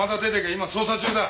今捜査中だ。